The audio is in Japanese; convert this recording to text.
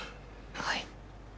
はい。